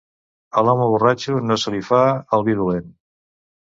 A l'home borratxo no se li fa el vi dolent.